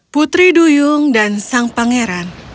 putri duyung dan sang pangeran